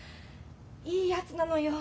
いいやつなのよ。